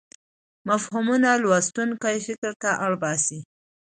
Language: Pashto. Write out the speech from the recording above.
مفهومونه لوستونکی فکر ته اړ باسي.